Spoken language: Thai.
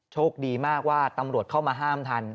โชคดีมากว่าตำรวจเข้ามาห้ามทัน